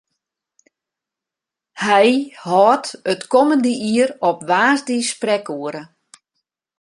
Hy hâldt it kommende jier op woansdei sprekoere.